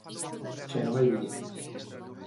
Xa non hai billetes.